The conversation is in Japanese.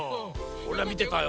おれはみてたよ。